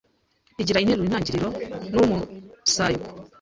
igira interuro intangiriro n’umusayuko